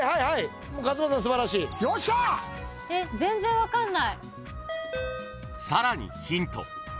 えっ分かんない。